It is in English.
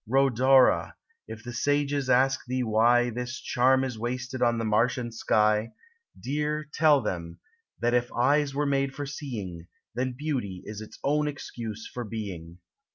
Rhodora ! if the sages ask thee why This charm is wasted on the marsh and sky, Dear, tell them, that if eyes were made for seeing, Then beauty is its own excuse for being.